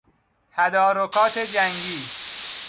تدارکات جنگی